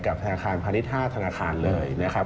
ธนาคารพาณิชย์๕ธนาคารเลยนะครับ